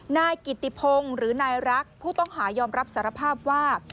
นายกิติพงศ์หรือนายรักผู้ต้องหายอมรับสารภาพว่า